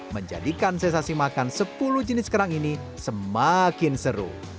menjadikan sensasi makan sepuluh jenis kerang ini semakin seru